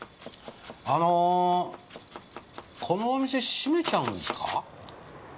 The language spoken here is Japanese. あのーこのお店閉めちゃうんですか？